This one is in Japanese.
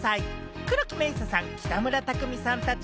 黒木メイサさん、北村匠海さんたち